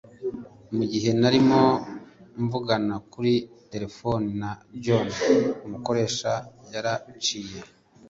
mugihe narimo mvugana kuri terefone na john, umukoresha yaraciye